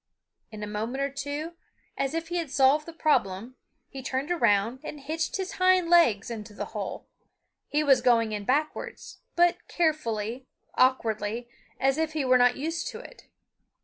In a moment or two, as if he had solved the problem, he turned around and hitched his hind legs into the hole. He was going in backwards, but carefully, awkwardly, as if he were not used to it.